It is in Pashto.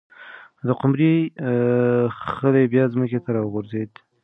د قمرۍ خلی بیا ځمکې ته راوغورځېد.